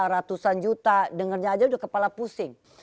ratusan juta dengarnya aja udah kepala pusing